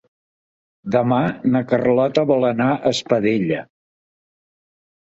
Demà na Carlota vol anar a Espadella.